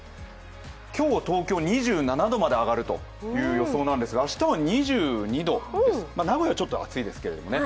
今日、東京２７度まで上がるという予想なんですが、明日は２２度、名古屋はちょっと暑いですけどね。